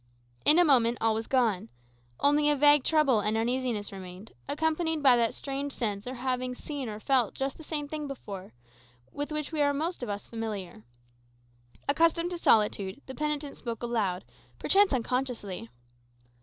In a moment all was gone; only a vague trouble and uneasiness remained, accompanied by that strange sense of having seen or felt just the same thing before, with which we are most of us familiar. Accustomed to solitude, the penitent spoke aloud, perchance unconsciously.